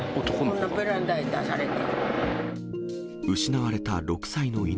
ベランダに出されて。